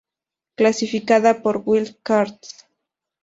Clasificado para Wild Cards.